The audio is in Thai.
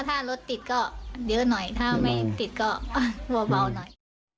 ถ้ารถติดก็เยอะหน่อยถ้าไม่ติดก็เบาหน่อย